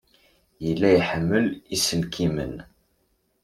Yella iḥemmel iselkimen.